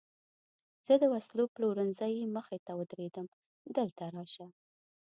زه د وسلو پلورنځۍ مخې ته ودرېدم، دلته راشه.